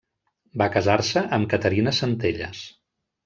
Va casar-se amb Caterina Centelles.